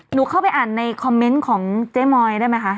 เข้าไปอ่านในคอมเมนต์ของเจ๊มอยได้ไหมคะ